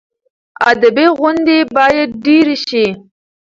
ادبي غونډې باید ډېرې شي.